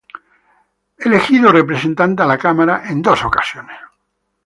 Elegido Representante a la Cámara en dos ocasiones.